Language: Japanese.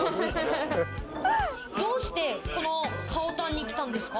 どうして、このかおたんに来たんですか。